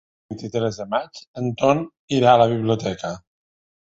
El vint-i-tres de maig en Ton irà a la biblioteca.